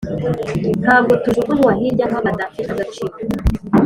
, ntabwo tujugunywa hirya nk’abadafite agaciro.